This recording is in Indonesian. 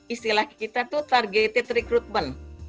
istilah kita itu targeted recruitment